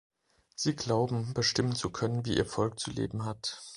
Sie glauben, bestimmen zu können, wie ihr Volk zu leben hat.